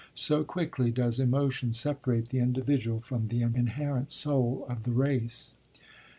So quickly does emotion separate the individual from the inherent soul of the race.